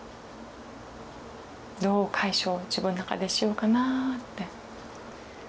どう解消自分の中でしようかなって。